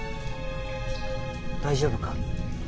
大丈夫か？